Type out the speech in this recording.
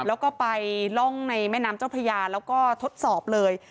แล้วก็ไปล่องในแม่น้ำเจ้าพระยาแล้วก็ทดสอบเลย